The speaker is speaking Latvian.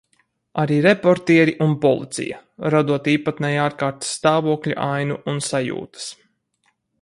Arī reportieri un policija, radot īpatnēju ārkārtas stāvokļa ainu un sajūtas.